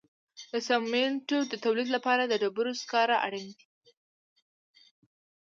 د سمنټو د تولید لپاره د ډبرو سکاره اړین دي.